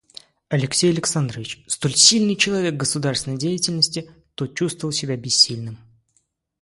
Алексей Александрович, столь сильный человек в государственной деятельности, тут чувствовал себя бессильным.